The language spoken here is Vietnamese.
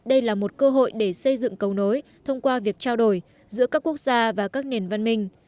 đây là một cơ hội để xây dựng cầu nối thông qua việc trao đổi giữa các quốc gia và các nền văn minh